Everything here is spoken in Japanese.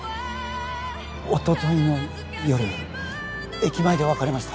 おとといの夜駅前で別れました